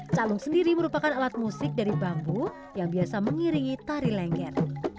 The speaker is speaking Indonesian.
calung sendiri merupakan alat musik dari bambu yang biasa mengiringi tari lengger